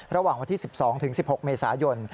ระหว่างวันที่๑๒๑๖เมษายน